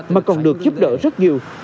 mà còn được giúp đỡ rất nhiều